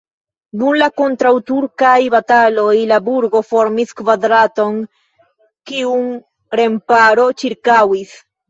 Dum la kontraŭturkaj bataloj la burgo formis kvadraton, kiun remparo ĉirkaŭis.